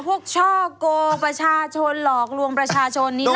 อ๋อพวกช่อกโกว์ประชาชนหลอกลวงประชาชนนี้